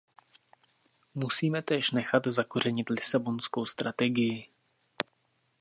Musíme též nechat zakořenit lisabonskou strategii.